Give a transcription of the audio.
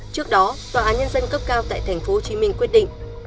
trước đó tòa án nhân dân cấp cao tại tp hcm quyết định